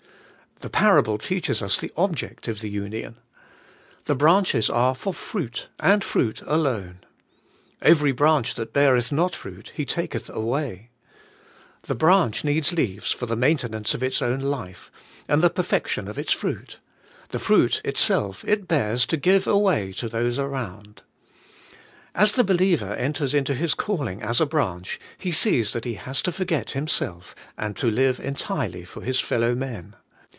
The parable teaches us the olject of the union. The branches are ton fruit ^indi fruit alone. 'Every branch that beareth not fruit He taketh away.* The branch needs leaves for the maintenance of its own life, and the perfection of its fruit: the fruit itself it bears to give away to those around. As the be liever enters into his calling as a branch, he sees that he has to forget himself, 'and to live entirely for his fellowmen.